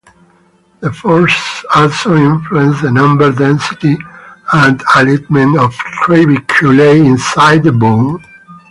The forces also influence the number density and alignment of trabeculae inside the bone.